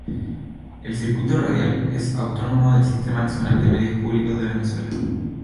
El circuito radial es autónomo del Sistema Nacional de Medios Públicos de Venezuela.